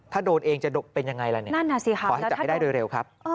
ถ้าโดนเองจะเป็นยังไงล่ะขอให้จับให้ได้โดยเร็วครับ